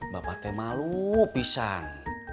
bapak teh malu pisang